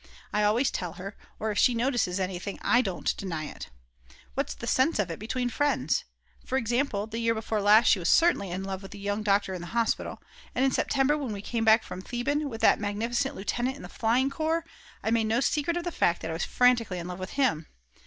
I always tell her, or if she notices anything I don't deny it. What's the sense of it between friends? for example, the year before last she was certainly in love with the young doctor in the hospital. And in September when we came back from Theben with that magnificent lieutenant in the flying corps, I made no secret of the fact that I was frantically in love with him.